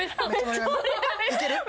いける？